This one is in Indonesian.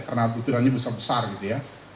karena butirannya besar besar gitu ya